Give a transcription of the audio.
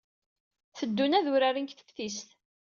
Tteddun ad uraren deg teftist.